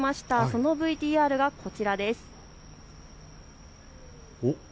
そのＶＴＲがこちらです。